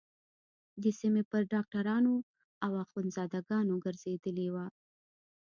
د سيمې پر ډاکترانو او اخوندزاده گانو گرځېدلې وه.